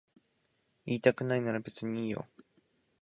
言いたくないなら別にいいよ。